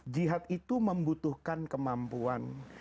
jihad itu membutuhkan kemampuan